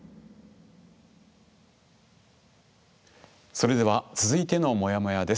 それでは続いてのモヤモヤです。